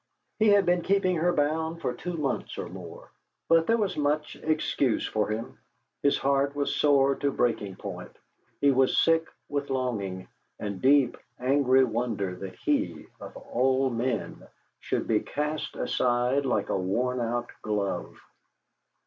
He had been keeping her bound for two months or more. But there was much excuse for him. His heart was sore to breaking point; he was sick with longing, and deep, angry wonder that he, of all men, should be cast aside like a worn out glove.